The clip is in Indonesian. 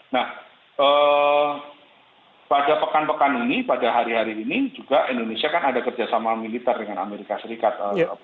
nah pada pekan pekan ini pada hari hari ini juga indonesia kan ada kerjasama militer dengan amerika serikat